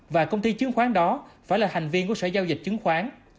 và công ty chứng khoán đó phải là hành viên của sở giao dịch chứng khoán